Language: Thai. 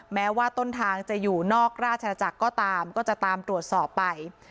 แม้ว่าต้นทางจะอยู่นอกราชนาจักรก็ตามก็จะตามตรวจสอบไป